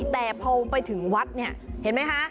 แต่พอไปถึงวัดนี่เห็นมั้ยคะ